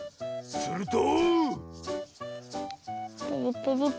すると。